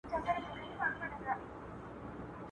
o چي نه کوي حبيب، څه به وکي خوار طبيب.